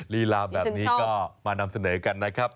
ลีลาแบบนี้ก็มานำเสนอกันนะครับ